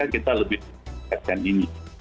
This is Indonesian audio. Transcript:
kita lebih menyiapkan ini